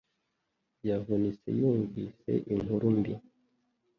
Yavunitse yumvise inkuru mbi